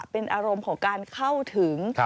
เป็นอารมณ์ของการเข้าถึง